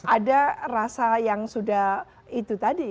ada rasa yang sudah itu tadi